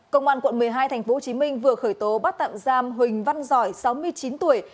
công an quận một mươi hai tp hcm vừa khởi tố bắt tạm giam huỳnh văn giỏi sáu mươi chín tuổi